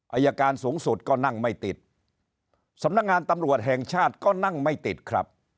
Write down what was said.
อายการสูงสุดก็นั่งไม่ติดสำนักงานตำรวจแห่งชาติก็นั่งไม่ติดครับ